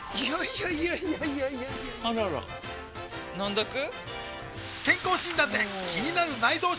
いやいやいやいやあらら飲んどく？